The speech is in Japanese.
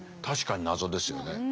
確かに謎ですよね。